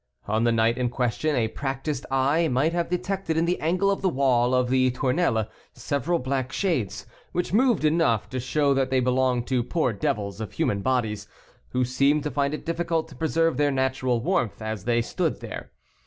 On the night in question, a practised eye might have detected in the angle of the wall of the Tournelles several black shades, which moved enough to show that they belonged to poor devils of human bodies, who seemed to find it difficult to preserve their natural warmth as they. stood there.